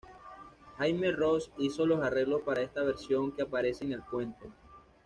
Jaime Roos hizo los arreglos para esta versión que aparece en "El puente".